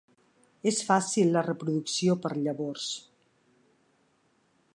És fàcil la reproducció per llavors.